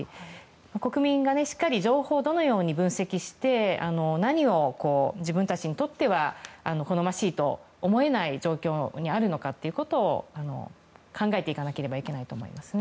国民がしっかり情報をどのように分析して何を、自分たちにとっては好ましいと思えない状況にあるのかを考えていかなければいけないと思います。